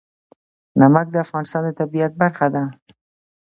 نمک د افغانستان د طبیعت برخه ده.